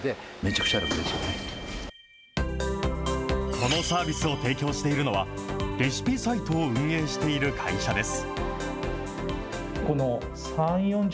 このサービスを提供しているのは、レシピサイトを運営している会社です。